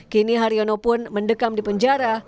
kini haryono pun mendekam di penjara